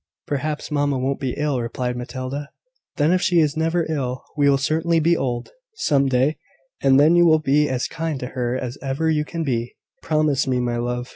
"Perhaps mamma won't be ill," replied Matilda. "Then if she is never ill, she will certainly be old, some day; and then you will be as kind to her as ever you can be, promise me, my love.